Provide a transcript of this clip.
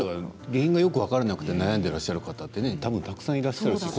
原因がよく分からなくて悩んでらっしゃる方ってたぶんたくさんいらっしゃいますね。